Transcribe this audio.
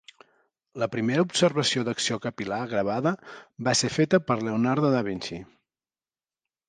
La primera observació d'acció capil·lar gravada va ser feta per Leonardo da Vinci.